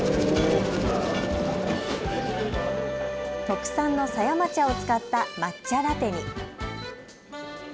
特産の狭山茶を使った抹茶ラテに。